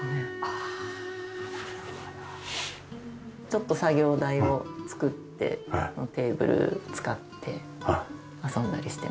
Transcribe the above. ちょっと作業台を作ってこのテーブル使って遊んだりしてますね。